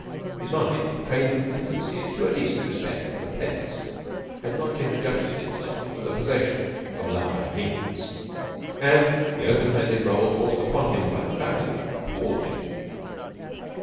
His mind, trained from infancy to a decent respect for the pence, had not yet adjusted itself to the possession of large means; and the open handed role forced upon him by the family appalled him.